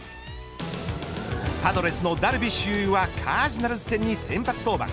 パドレスのダルビッシュ有はカージナルス戦に先発登板。